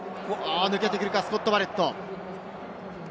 抜けてくるか、スコット・バレット。